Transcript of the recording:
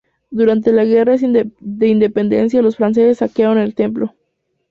Durante la Guerra de Independencia los franceses saquearon el templo.